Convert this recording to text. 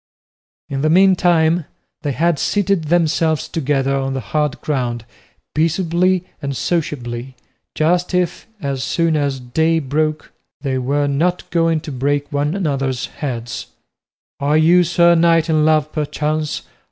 In the meantime, they had seated themselves together on the hard ground peaceably and sociably, just as if, as soon as day broke, they were not going to break one another's heads. "Are you, sir knight, in love perchance?"